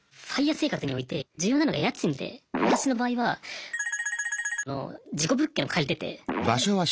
ＦＩＲＥ生活において重要なのが家賃で私の場合はの事故物件を借りてて。